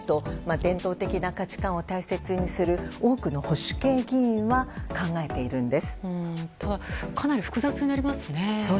伝統的な価値観を大切にする多くの保守系議員はただ、かなり複雑になりますね。